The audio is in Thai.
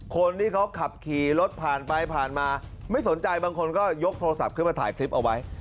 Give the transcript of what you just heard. คนที่เขาขับขี่รถผ่านไปผ่านมาไม่สนใจบางคนก็ยกโทรศัพท์ขึ้นมาถ่ายคลิปเอาไว้